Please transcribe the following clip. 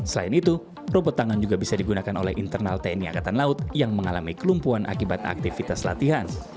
selain itu robot tangan juga bisa digunakan oleh internal tni angkatan laut yang mengalami kelumpuhan akibat aktivitas latihan